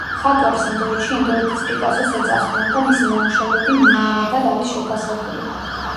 მხატვარს ინდოეთში „ინდოეთის პიკასოს“ ეძახდნენ და მისი ნამუშევრები მილიონებად არის შეფასებული.